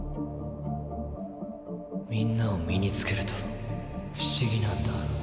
みんなを身につけると不思議なんだ。